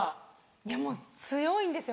いやもう強いんですよ